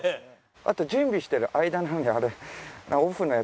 あと準備してる間なのにあれ。